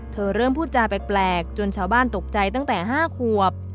เริ่มพูดจาแปลกจนชาวบ้านตกใจตั้งแต่๕ขวบ